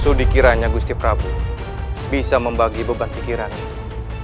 sudikiranya gusti prabu bisa membagi beban pikiran itu